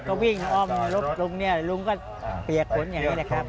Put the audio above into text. ก็วิ่งอ้อมรถลุงเนี่ยลุงก็เปียกขนอย่างนี้แหละครับ